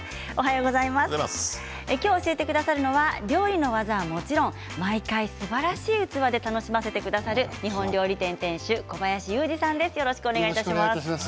今日教えてくださるのは料理の技はもちろん毎回すばらしい器で楽しませてくださる日本料理店店主小林雄二さんです。